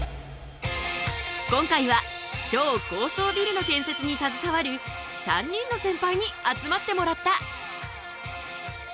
今回は超高層ビルの建設に携わる３人のセンパイに集まってもらった。